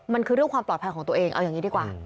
มันคือเรื่องความปลอดภัยของตัวเองเอาอย่างนี้ดีกว่า